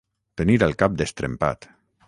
Tenir el cap destrempat.